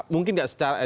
mungkin tidak secara